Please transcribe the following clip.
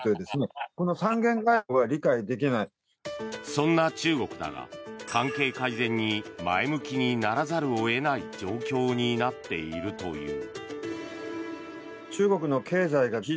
そんな中国だが関係改善に前向きにならざるを得ない状況になっているという。